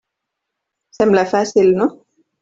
Sembla fàcil, no?